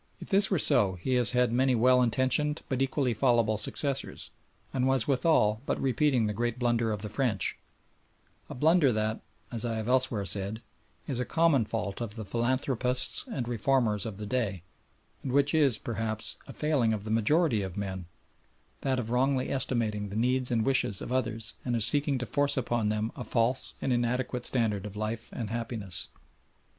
If this were so he has had many well intentioned but equally fallible successors, and was withal but repeating the great blunder of the French a blunder that, as I have elsewhere said, is a common fault of the philanthropists and reformers of the day, and which is, perhaps, a failing of the majority of men, that of wrongly estimating the needs and wishes of others and of seeking to force upon them a false and inadequate standard of life and happiness.